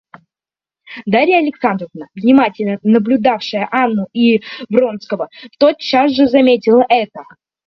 Дарья Александровна, внимательно наблюдавшая Анну и Вронского, тотчас же заметила это.